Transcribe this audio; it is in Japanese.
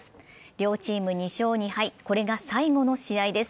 両チーム２勝２敗、これが最後の試合です。